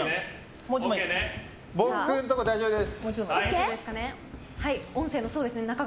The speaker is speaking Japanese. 僕のところ大丈夫です。